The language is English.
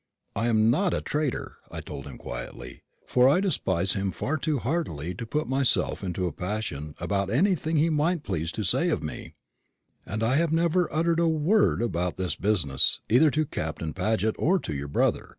"I am not a traitor," I told him quietly, for I despise him far too heartily to put myself into a passion about anything he might please to say of me; "and I have never uttered a word about this business either to Captain Paget or to your brother.